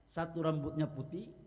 satu rambutnya putih